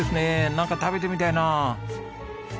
なんか食べてみたいなあ。